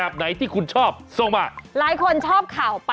สวัสดีคุณชิสานะฮะสวัสดีคุณชิสานะฮะ